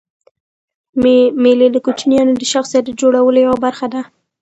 مېلې د کوچنيانو د شخصیت د جوړولو یوه برخه ده.